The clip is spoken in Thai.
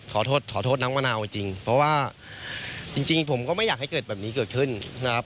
ขอโทษขอโทษน้องมะนาวจริงเพราะว่าจริงผมก็ไม่อยากให้เกิดแบบนี้เกิดขึ้นนะครับ